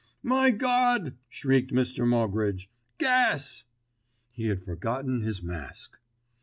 "My God!" shrieked Mr. Moggridge. "Gas!" He had forgotten his mask.